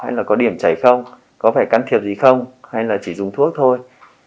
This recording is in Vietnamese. hay là có điểm chảy không có phải can thiệp gì không hay là chỉ dùng thuốc thôi